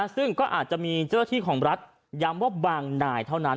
ซึ่งก็อาจจะมีที่ของรัฐย้ำว่าบางหน่ายเท่านั้น